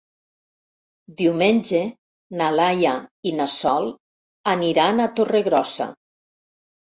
Diumenge na Laia i na Sol aniran a Torregrossa.